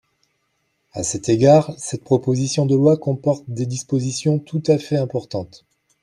À cet égard, cette proposition de loi comporte des dispositions tout à fait importantes.